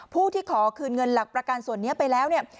ผู้ที่ขอคืนเงินหลักประกันส่วนนี้ไปแล้วเนี่ย